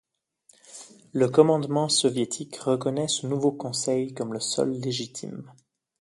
Le commandement soviétique reconnaît ce nouveau conseil comme le seul légitime.